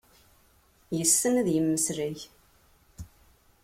Yessen ad yemmeslay.